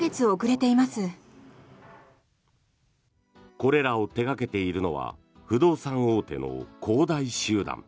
これらを手掛けているのは不動産大手の恒大集団。